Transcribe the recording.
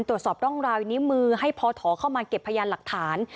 ตรวจสอบร่องรอยนิ้วมือให้พอถอเข้ามาเก็บพยานหลักฐาน